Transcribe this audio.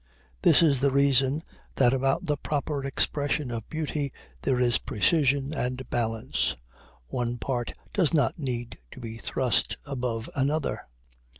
This is the reason that about the proper expression of beauty there is precision and balance. One part does not need to be thrust above another.